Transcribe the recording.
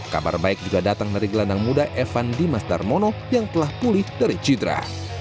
kabar baik juga datang dari gelandang muda evan dimas darmono yang telah pulih dari cidra